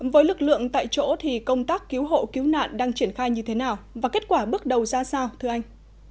với lực lượng tại chỗ thì công tác cứu hộ cứu nạn đang triển khai như thế nào và kết quả bước đầu ra sao thưa anh